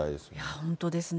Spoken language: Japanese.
本当ですね。